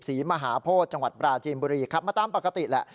ศรีมหาโพธิจังหวัดปราจีนบุรีขับมาตามปกติแหละ